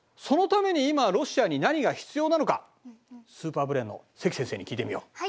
そのために今ロシアに何が必要なのかスーパーブレーンの関先生に聞いてみよう。